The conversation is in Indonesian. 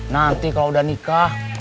nanti kalau udah nikah